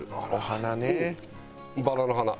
バラの花。